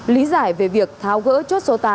lý giải về việc tháo gỡ chốt số tám